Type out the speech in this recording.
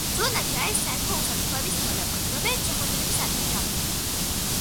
ზონაში არის საერთო უსაფრთხოების მონაკვეთი, რომელიც შეხვედრების ადგილად გამოიყენება.